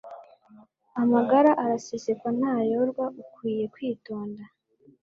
Amagara araseseka ntayorwa ukwiye kwitonda!